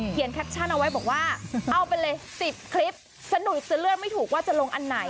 แคปชั่นเอาไว้บอกว่าเอาไปเลย๑๐คลิปสะดุดจะเลือกไม่ถูกว่าจะลงอันไหน